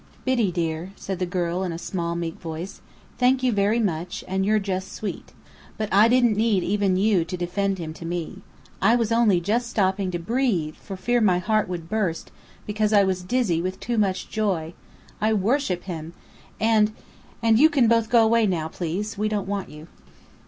"Biddy dear," said the girl in a small, meek voice, "thank you very much, and you're just sweet. But I didn't need even you to defend him to me. I was only just stopping to breathe, for fear my heart would burst, because I was dizzy with too much joy. I worship him! And and you can both go away now, please. We don't want you."